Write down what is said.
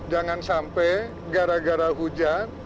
jangan sampai gara gara hujan